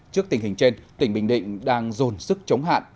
trước tình hình trên tỉnh bình định đang dồn sức chống hạn